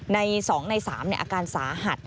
ใน๒ใน๓อาการสาหัส